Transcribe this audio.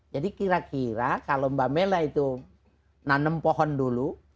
jadi kira kira kalau mba mela itu nanam pohon dulu